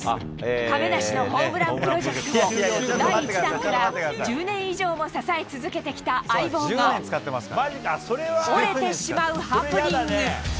亀梨のホームランプロジェクト、第１弾から１０年以上も支え続けてきた相棒が、折れてしまうハプニング。